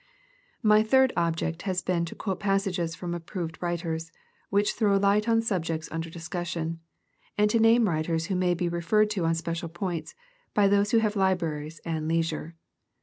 8. My third object has been to quote passages from approved writers, which throw light on subjects under discussion, and to name writers who may be referred to on special points, by those who have libraries and leisure.